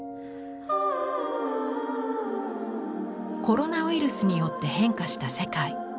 コロナウイルスによって変化した世界。